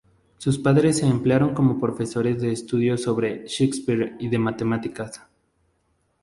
Sus padres se emplearon como profesores de Estudios sobre Shakespeare y de matemáticas.